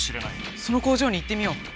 その工場に行ってみよう！